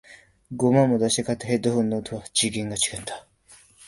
五万も出して買ったヘッドフォンの音は次元が違った